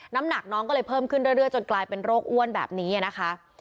น้ำหนักน้องก็เลยเพิ่มขึ้นเรื่อยจนกลายเป็นโรคอ้วนแบบนี้นะคะ